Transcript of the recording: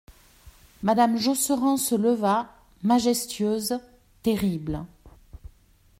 Madame Josserand se leva, majestueuse, terrible.